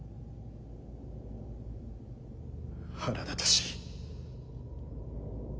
腹立たしい。